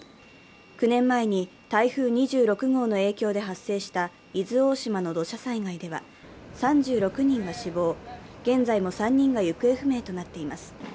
９年前に台風２６号の影響で発生した伊豆大島の土砂災害では３６人が死亡、現在も３人が行方不明となっています。